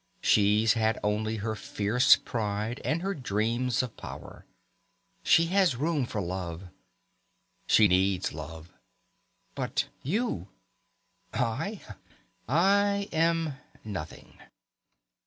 She's had only her fierce pride and her dreams of power. She has room for love. She needs love." "But you " "I? I am nothing.